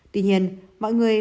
tuy nhiên mọi người